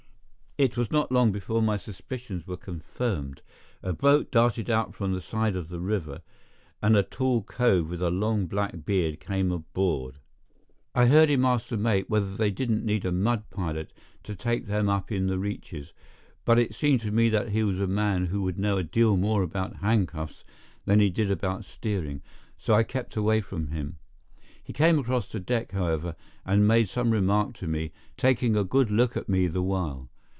It was not long before my suspicions were confirmed. A boat darted out from the side of the river, and a tall cove with a long black beard came aboard. I heard him ask the mate whether they didn't need a mud pilot to take them up in the reaches, but it seemed to me that he was a man who would know a deal more about handcuffs than he did about steering, so I kept away from him. He came across the deck, however, and made some remark to me, taking a good look at me the while.